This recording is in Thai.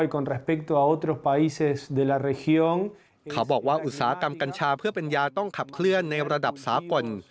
เขาบอกว่าอุตสาหกรรมกัญชาเพื่อเป็นยาต้องขับเคลื่อนในระดับสากล